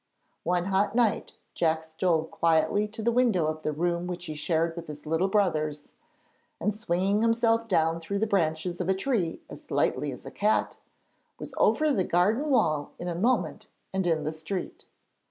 One hot night Jack stole quietly to the window of the room which he shared with his little brothers, and swinging himself down through the branches of a tree as lightly as a cat, was over the garden wall in a moment and in the street.